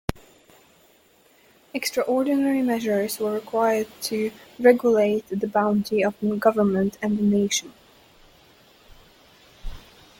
Extraordinary measures were required to regulate the bounty of the government and the nation.